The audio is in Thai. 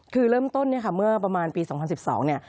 คือเริ่มต้นเนี่ยค่ะเมื่อประมาณปี๒๐๑๒เนี่ย